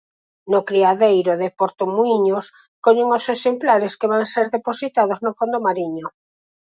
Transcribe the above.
No criadeiro de Portomuíños collen os exemplares que van ser depositados no fondo mariño.